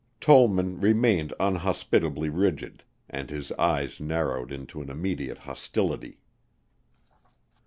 Tollman remained unhospitably rigid and his eyes narrowed into an immediate hostility.